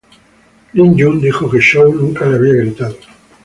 Lin Yun, dijo que Chow nunca le había gritado.